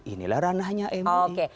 inilah ranahnya mui